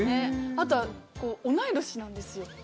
あとは同い年なんですよ。